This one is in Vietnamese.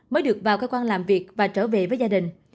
mới được vào cơ quan làm việc và trở về với gia đình